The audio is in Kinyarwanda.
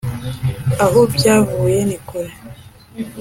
Aho byavuye nikure.